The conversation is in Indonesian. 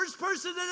tidak ada kebohongan